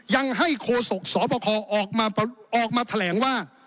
ยังให้โคศกสปออกมาแถลงว่า